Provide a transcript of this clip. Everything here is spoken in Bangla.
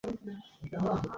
কিন্তু চিন্তা করো না।